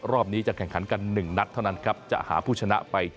รอบนี้จะแข่งขันกัน๑นัดเท่านั้นครับจะหาผู้ชนะไป